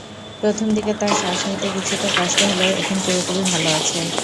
প্রথম দিকে তার শ্বাস নিতে কিছুটা কষ্ট হলেও এখন পুরোপুরি ভালো আছে।